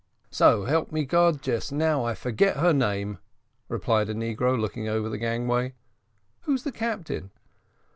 "So help me Gad, just now I forget her name," replied a negro, looking over the gangway. "Who's the captain?"